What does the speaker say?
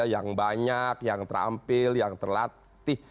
yang banyak yang terampil yang terlatih